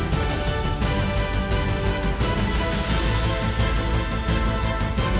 จากวุฒิทธิสภา